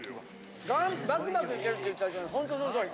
バクバクいけるって言ってたけどほんとその通り。